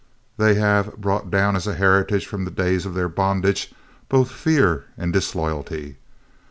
They have brought down as a heritage from the days of their bondage both fear and disloyalty.